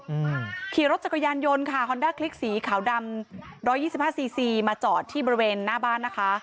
อืมขี่รถจักรยานยนต์ค่ะฮอนด้าคลิกสีขาวดำร้อยยี่สิบห้าซีซีมาจอดที่บริเวณหน้าบ้านนะคะ